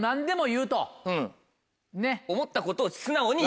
うん思ったことを素直に言う。